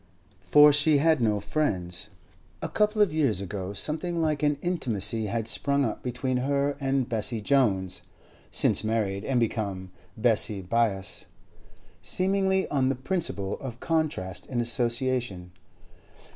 For she had no friends. A couple of years ago something like an intimacy had sprung up between her and Bessie Jones (since married and become Bessie Byass), seemingly on the principle of contrast in association.